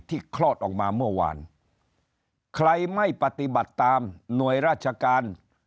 คลอดออกมาเมื่อวานใครไม่ปฏิบัติตามหน่วยราชการ